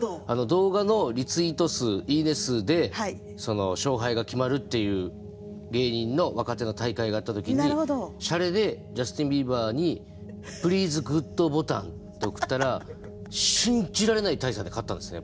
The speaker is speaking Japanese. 動画のリツイート数いいね数で勝敗が決まるっていう芸人の若手の大会があった時にシャレでジャスティンビーバーに「プリーズグッドボタン」って送ったら信じられない大差で勝ったんですね